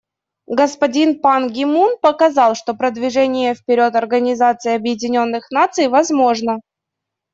Господин Пан Ги Мун показал, что продвижение вперед Организации Объединенных Наций возможно.